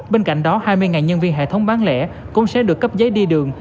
bên cạnh đó hai mươi nhân viên hệ thống bán lẻ cũng sẽ được cấp giấy đi đường